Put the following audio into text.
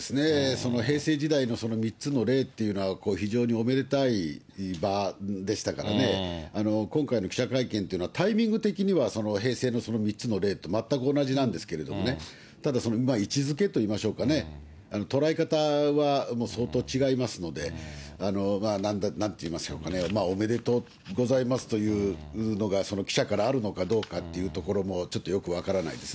その平成時代の３つのれいというのは、非常におめでたい場でしたからね、今回の記者会見というのは、タイミング的には平成のその３つのれいと全く同じなんですけどね、ただ、位置づけといいましょうかね、捉え方は相当違いますので、なんていいますか、これ、おめでとうございますというのが記者からあるのかどうかっていうところも、ちょっとよく分からないです